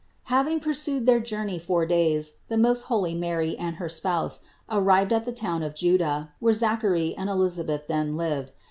208. Having pursued their journey four days, the most holy Mary and her spouse arrived at the town of Juda, where Zachary and Elisabeth then lived.